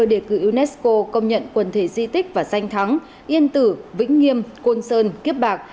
đề cử unesco công nhận quần thể di tích và danh thắng yên tử vĩnh nghiêm côn sơn kiếp bạc